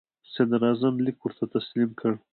د صدراعظم لیک ور تسلیم کړ.